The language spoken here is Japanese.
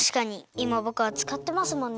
いまぼくがつかってますもんね。